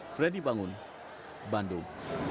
freddy bangun bandung